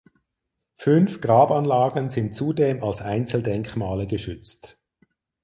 Fünf Grabanlagen sind zudem als Einzeldenkmale geschützt.